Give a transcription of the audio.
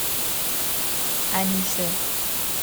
انوشه